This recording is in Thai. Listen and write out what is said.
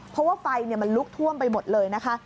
เพราะว่าไฟมันลุกท่วมไปหมดเลยนะคะ